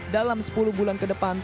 dalam sepuluh bulan kedepan